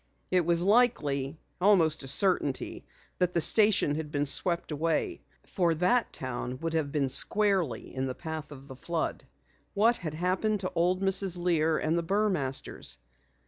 It was likely, almost a certainty that the station had been swept away, for the town would have been squarely in the path of the flood. What had happened to old Mrs. Lear and the Burmasters?